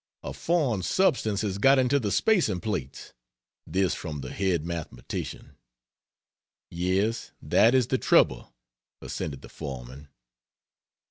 "A foreign substance has got into the spacing plates." This from the head mathematician. "Yes, that is the trouble," assented the foreman.